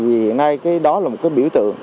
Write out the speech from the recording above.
vì hiện nay cái đó là một cái biểu tượng